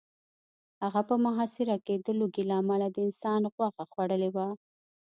هغه په محاصره کې د لوږې له امله د انسان غوښه خوړلې وه